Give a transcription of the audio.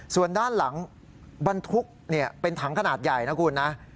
ส่วนด้านหลังบรรทุกเป็นถังขนาดใหญ่นะคุณนะ